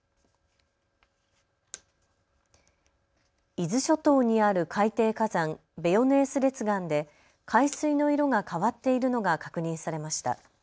伊豆諸島にある海底火山、ベヨネース列岩で海水の色が変わっているのが確認されました。